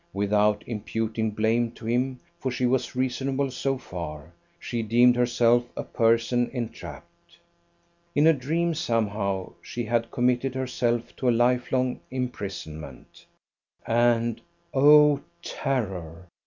Without imputing blame to him, for she was reasonable so far, she deemed herself a person entrapped. In a dream somehow she had committed herself to a life long imprisonment; and, oh terror!